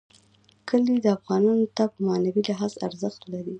کلي افغانانو ته په معنوي لحاظ ارزښت لري.